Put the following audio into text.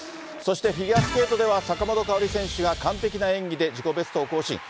そしてフィギュアスケートでは、坂本花織選手が完璧な演技で、自己ベストを更新。